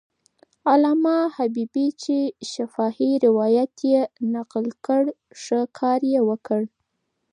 علامه حبیبي چې شفاهي روایت یې نقل کړ، ښه کار یې وکړ.